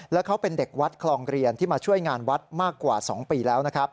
แล้วเขาเป็นเด็กวัดคลองเรียนที่มาช่วยงานวัดมากกว่า๒ปีแล้วนะครับ